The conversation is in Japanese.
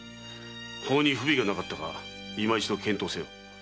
法に不備がなかったか今一度検討せよ。